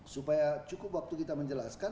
supaya cukup waktu kita menjelaskan